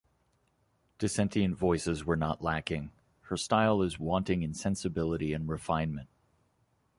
Dissentient voices were not lacking; 'her style is wanting in sensibility and refinement.